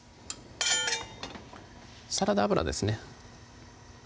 サラダ油ですね